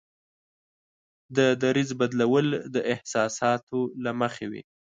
د دریځ بدلول د احساساتو له مخې وي.